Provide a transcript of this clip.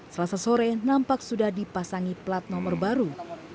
selasa sore nampak sudah dipasangi plat nomor baru